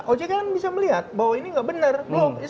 ojk kan bisa melihat bahwa ini tidak benar blok